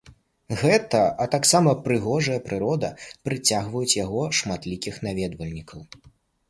Гэта, а таксама прыгожая прырода, прыцягваюць на яго шматлікіх наведвальнікаў.